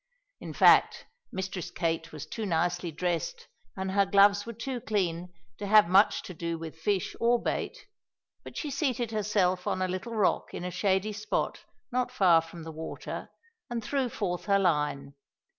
In fact, Mistress Kate was too nicely dressed and her gloves were too clean to have much to do with fish or bait, but she seated herself on a little rock in a shady spot not far from the water and threw forth her line.